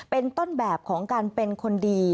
เป็นต้นแบบของการเป็นคนดี